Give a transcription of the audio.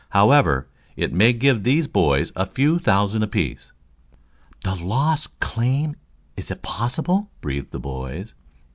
However, it may give these boys a few thousands apiece." "The Lost Claim! Is it possible?" breathed the boys.